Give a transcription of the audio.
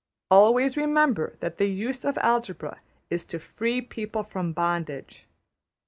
Always remember that the use of algebra is to \emph{free people from bondage}.